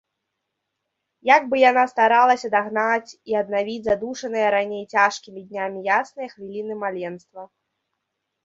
Як бы яна старалася дагнаць і аднавіць задушаныя раней цяжкімі днямі ясныя хвіліны маленства!